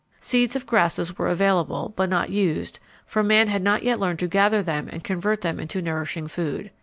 Seeds of grasses were available, but not used, for man had not yet learned to gather them and convert them into nourishing food.